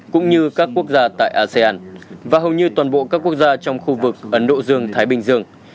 cũng như các quốc gia tại asean và hầu như toàn bộ các quốc gia trong khu vực ấn độ dương thái bình dương